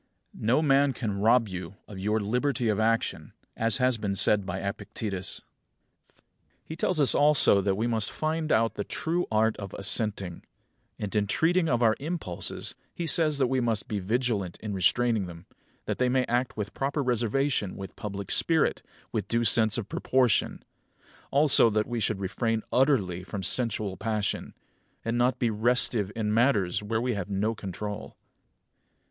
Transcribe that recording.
36. No man can rob you of your liberty of action; as has been said by Epictetus. 37. He tells us also that we must find out the true art of assenting; and in treating of our impulses he says that we must be vigilant in restraining them, that they may act with proper reservation, with public spirit, with due sense of proportion; also that we should refrain utterly from sensual passion; and not be restive in matters where we have no control.